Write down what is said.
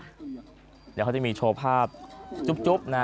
เดี๋ยวเขาจะมีโชว์ภาพจุ๊บนะ